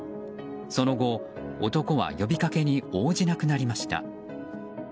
その後、男は呼びかけに応じなくなりました。